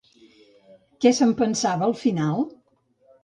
Què se'n pensava al final?